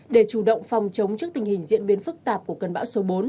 để chủ động phòng chống trước tình hình diễn biến phức tạp của cơn bão số bốn